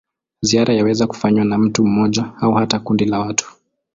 Ziara yaweza kufanywa na mtu mmoja au hata kundi la watu.